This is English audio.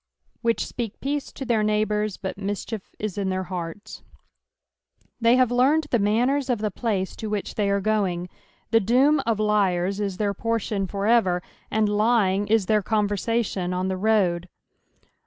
•' Which Mpeak peaee to their neifhixmrt, but mitchief is in their hearlt,'* They have learned the manners of the place to which they are going : the doom of liars is their portion for ever, and tying is their conversation on the road.